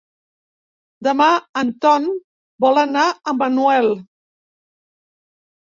Demà en Ton vol anar a Manuel.